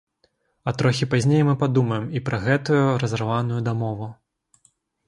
А трохі пазней мы падумаем і пра гэтую разарваную дамову.